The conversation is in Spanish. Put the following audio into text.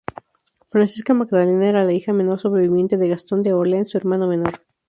Francisca Magdalena era la hija menor sobreviviente de Gastón de Orleans, su hermano menor.